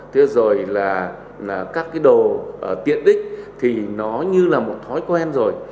các cái đồ tiện ích thì nó như là một thói quen rồi